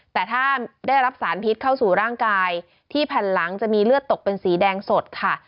แต่ถ้าได้รับสารพิษเข้าสู่ร่างกายที่แผ่นหลังจะมีเลือดตกเป็นสีแดงสดค่ะ